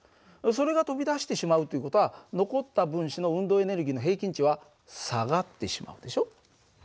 それが飛び出してしまうという事は残った分子の運動エネルギーの平均値は下がってしまうでしょ。